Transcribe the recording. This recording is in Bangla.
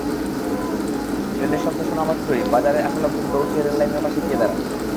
ট্রেনের শব্দ শোনামাত্রই বাজারে আসা লোকজন দৌড় দিয়ে রেললাইনের পাশে গিয়ে দাঁড়ান।